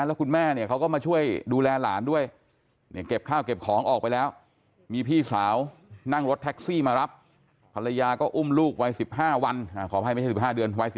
แล้วคุณแม่เนี่ยเขาก็มาช่วยดูแลหลานด้วยเนี่ยเก็บข้าวเก็บของออกไปแล้วมีพี่สาวนั่งรถแท็กซี่มารับภรรยาก็อุ้มลูกวัย๑๕วันขออภัยไม่ใช่๑๕เดือน